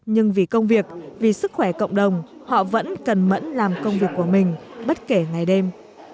nhưng vì công việc vì sức khỏe cộng đồng họ vẫn cần mẫn làm công việc của mình bất kể ngày đêm